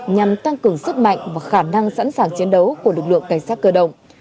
nhằm tăng cường sức mạnh và khả năng sẵn sàng chiến đấu của lực lượng cảnh sát cơ động